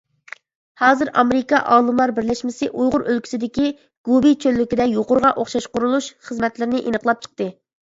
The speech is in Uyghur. ھازىر ئامېرىكا ئالىملار بىرلەشمىسى ئۇيغۇر ئۆلكىسىدىكى گوبى چۆللۈكىدە، يۇقىرىقىغا ئوخشاش قۇرۇلۇش خىزمەتلىرىنى ئېنىقلاپ چىقتى.